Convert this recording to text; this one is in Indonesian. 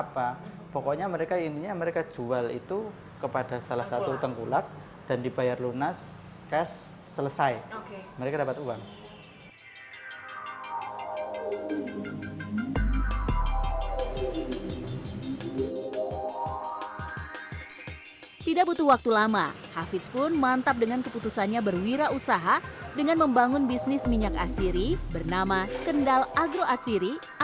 pertama dari segi kompetitor yang kedua dari segi saya sendiri